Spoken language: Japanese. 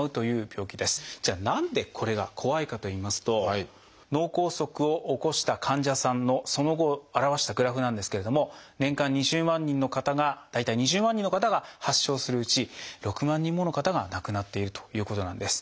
じゃあ何でこれが怖いかといいますと脳梗塞を起こした患者さんのその後を表したグラフなんですけれども年間２０万人の方が大体２０万人の方が発症するうち６万人もの方が亡くなっているということなんです。